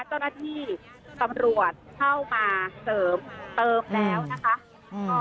วังวิทยาตนตรฐีสำรวจเท่ามาเสริมเติมแล้วนะคะ